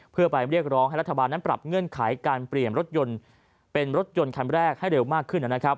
เพื่อไปเรียกร้องให้รัฐบาลนั้นปรับเงื่อนไขการเปลี่ยนรถยนต์เป็นรถยนต์คันแรกให้เร็วมากขึ้นนะครับ